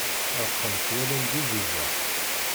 Reqqent wallen d ijujaḥ.